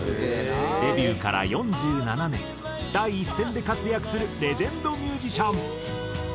デビューから４７年第一線で活躍するレジェンドミュージシャン。